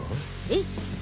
えっ？